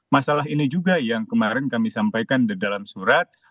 masalah ini juga yang kemarin kami sampaikan di dalam surat